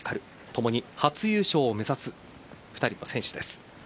ともに初優勝を目指す２人の選手です。